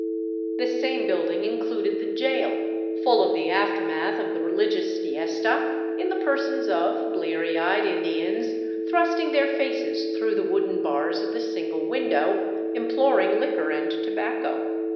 The same building included the jail, full of the after math of the religious fiesta in the persons of bleary eyed Indians thrusting their faces through the wooden bars of the single window, imploring liquor and tobacco.